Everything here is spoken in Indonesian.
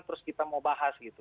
terus kita mau bahas gitu